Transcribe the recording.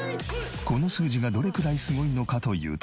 この数字がどれくらいすごいのかというと。